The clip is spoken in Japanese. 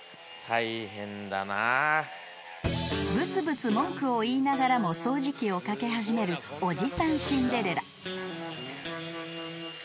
［ぶつぶつ文句を言いながらも掃除機をかけ始めるおじさんシンデレラ］